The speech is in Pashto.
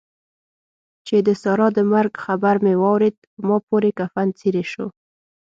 چې د سارا د مرګ خبر مې واورېد؛ په ما پورې کفن څيرې شو.